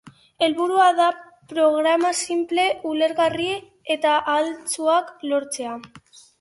Helburua da programa sinple, ulergarri eta ahaltsuak lortzea.